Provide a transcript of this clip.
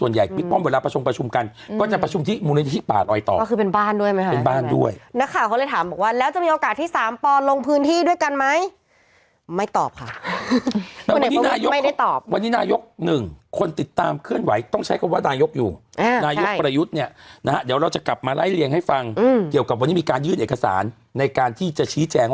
ร้อยเอกประวิกษัตว์วงศูนย์หรืออาหาระยูดจันโ็ชาแล้วก็ร้อยตรีไหม